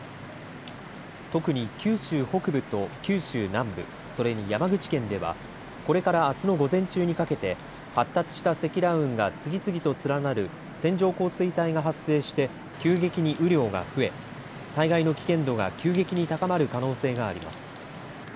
特に九州北部と九州南部それに山口県ではこれからあすの午前中にかけて発達した積乱雲が次々と連なる線状降水帯が発生して急激に雨量が増え災害の危険度が急激に高まる可能性があります。